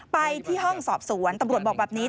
ไปที่ห้องสอบสวนตำรวจบอกแบบนี้